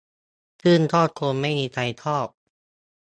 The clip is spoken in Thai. ซึ่งก็คงไม่มีใครชอบ